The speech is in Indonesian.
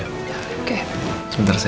hei kenapa sama mama